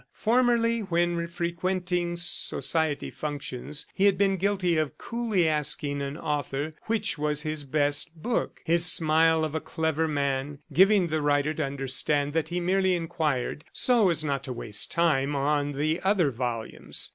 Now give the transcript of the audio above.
Formerly when frequenting society functions, he had been guilty of coolly asking an author which was his best book his smile of a clever man giving the writer to understand that he merely enquired so as not to waste time on the other volumes.